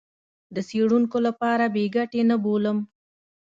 د څېړونکو لپاره بې ګټې نه بولم.